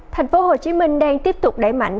thành phố hồ chí minh đang tiếp tục đẩy mạnh